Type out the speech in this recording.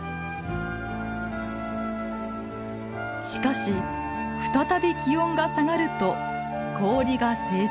しかし再び気温が下がると氷が成長。